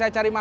ya ini dia